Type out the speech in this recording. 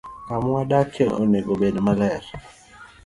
Kama wadakie onego obed maler.